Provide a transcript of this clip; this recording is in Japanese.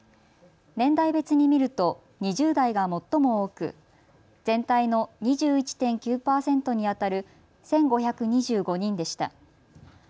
年代別に見ると２０代が最も多く全体の２１．９％にあたる１５２５人でした。